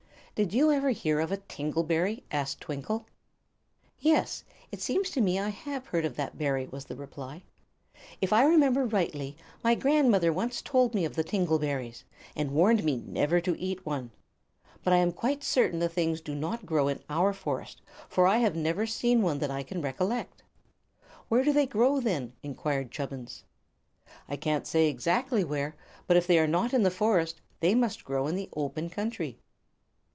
"Did you ever hear of a tingle berry?" asked Twinkle. "Yes; it seems to me I have heard of that berry," was the reply. "If I remember rightly my grandmother once told me of the tingle berries, and warned me never to eat one. But I am quite certain the things do not grow in our forest, for I have never seen one that I can recollect." "Where do they grow, then?" enquired Chubbins. "I can't say exactly where; but if they are not in the forest, they must grow in the open country."